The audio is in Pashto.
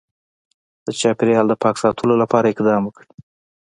د چاپیریال د پاک ساتلو لپاره اقدام وکړي